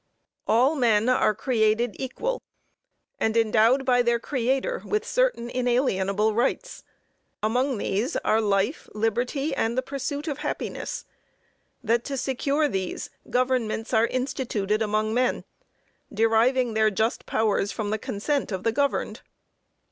"All men are created equal, and endowed by their Creator with certain unalienable rights. Among these are life, liberty and the pursuit of happiness. That to secure these, governments are instituted among men, deriving their just powers from the consent of the governed."